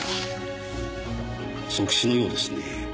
即死のようですね。